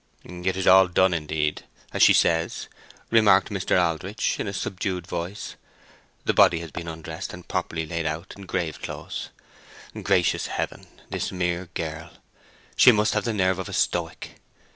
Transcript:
"It is all done, indeed, as she says," remarked Mr. Aldritch, in a subdued voice. "The body has been undressed and properly laid out in grave clothes. Gracious Heaven—this mere girl! She must have the nerve of a stoic!"